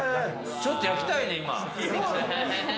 ちょっと焼きたいね、今。